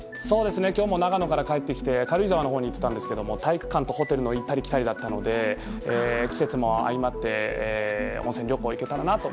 今日も長野から帰ってきて軽井沢のほうに行ってたんですけども体育館とホテルを行ったり来たりだったので季節も相まって温泉旅行に行けたらなと。